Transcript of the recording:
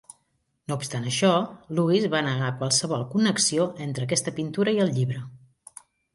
No obstant això, Lewis va negar qualsevol connexió entre aquesta pintura i el llibre.